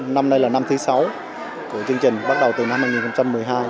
năm nay là năm thứ sáu của chương trình bắt đầu từ năm hai nghìn một mươi hai